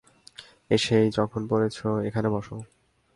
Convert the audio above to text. এসেই যখন পড়েছ, এখানে বস।